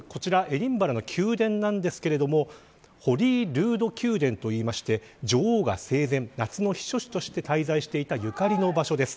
エディンバラの宮殿ですがホリールード宮殿って言いまして女王が生前、夏の避暑地として滞在していたゆかりの場所です。